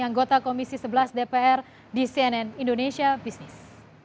anggota komisi sebelas dpr di cnn indonesia business